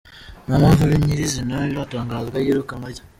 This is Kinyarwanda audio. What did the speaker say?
Nta mpamvu nyir’izina iratangazwa y’iyirukanwa rye .